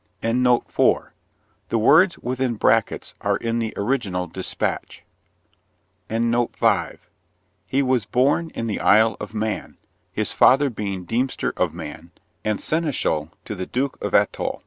The words within brackets are in the original despatch. He was born in the Isle of Man, his father being Deemster of Man, and Seneschal to the Duke of Athol.